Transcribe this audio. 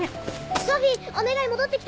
ソフィーお願い戻って来て！